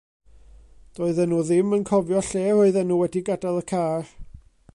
Doedden nhw ddim yn cofio lle roedden nhw wedi gadael y car.